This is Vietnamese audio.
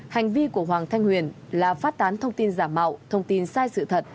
hành vi của hoàng thanh huyền là phát tán thông tin giả mạo thông tin sai sự thật